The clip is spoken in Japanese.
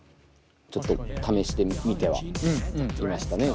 ちょっと試してみてはいましたね